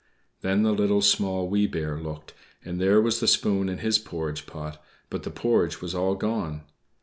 Then the Little, Small, Wee Bear looked, and there was the spoon in his porridge pot; but the porridge was all gone.